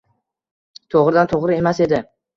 to‘g‘ridan-to‘g‘ri emas edi.